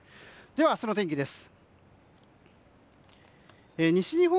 では明日の天気です。